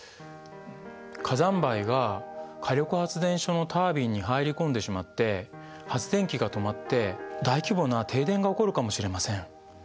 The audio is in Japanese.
火山灰が火力発電所のタービンに入り込んでしまって発電機が止まって大規模な停電が起こるかもしれません。